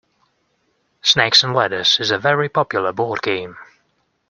Snakes and ladders is a very popular board game